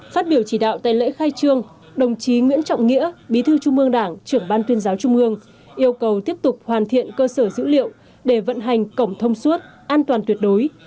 phát biểu chỉ đạo tại lễ khai trương đồng chí nguyễn trọng nghĩa bí thư trung ương đảng trưởng ban tuyên giáo trung ương yêu cầu tiếp tục hoàn thiện cơ sở dữ liệu để vận hành cổng thông suốt an toàn tuyệt đối